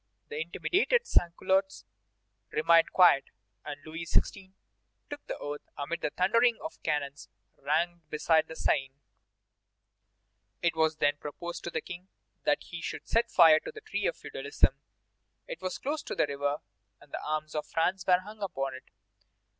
The intimidated sans culottes remained quiet, and Louis XVI. took the oath amid the thundering of the cannon ranged beside the Seine. It was then proposed to the King that he should set fire to the Tree of Feudalism; it was close to the river and the arms of France were hung upon it.